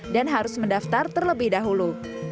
dan harus mendaftar terlebih dahulu